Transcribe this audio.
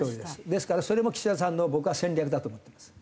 ですからそれも岸田さんの戦略だと思ってます。